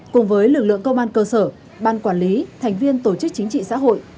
cùng với lực lượng công an cơ sở ban quản lý thành viên tổ chức chính trị xã hội